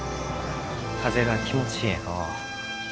風が気持ちえいのう。